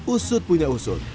usut punya usut